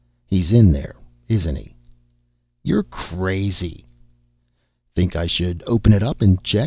"He's in there, isn't he?" "You're crazy." "Think I should open it up and check?